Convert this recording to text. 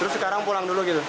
terus sekarang pulang dulu gitu